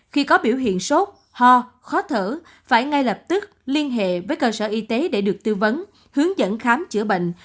khi có biểu hiện sốt ho khó thở phải ngay lập tức liên hệ với cơ sở y tế để được tư vấn hướng dẫn khám chữa bệnh